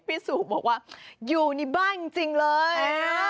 สุกบอกว่าอยู่ในบ้านจริงเลย